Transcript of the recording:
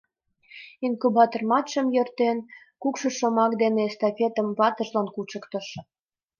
«Инкубаторматшым» йӧртен, кукшо шомак дене эстафетым ватыжлан кучыктыш.